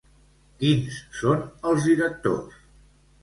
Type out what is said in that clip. Quins són els directors?